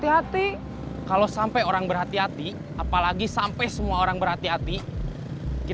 yang kalau yang masih jong ranh dari hubungan karet kaya gini n wore